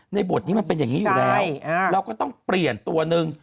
บทนี้มันเป็นอย่างนี้อยู่แล้วเราก็ต้องเปลี่ยนตัวหนึ่ง